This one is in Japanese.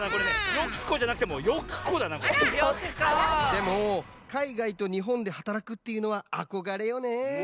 でもかいがいとにほんではたらくっていうのはあこがれよね。